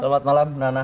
selamat malam nana